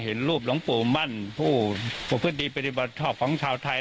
เห็นรูปหลวงปู่มั่นผู้ประพฤติดีปฏิบัติชอบของชาวไทย